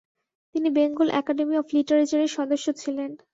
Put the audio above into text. তিনি Bengal academy of লিটারেচারের সদস্য ছিলেন ।